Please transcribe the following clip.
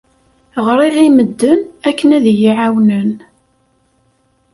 Ɣriɣ i medden akken ad iyi-ɛawnen.